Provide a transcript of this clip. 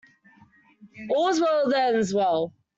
All's well that ends well.